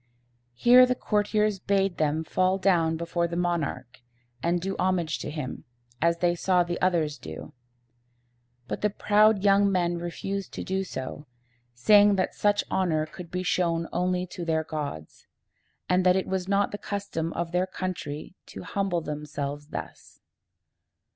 Here the courtiers bade them fall down before the monarch, and do homage to him, as they saw the others do. But the proud young men refused to do so, saying that such honor could be shown only to their gods, and that it was not the custom of their country to humble themselves thus.